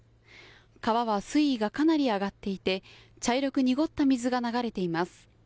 川は水位がかなり上がっていて茶色く濁った水が流れています。